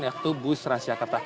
yaitu bus trans jakarta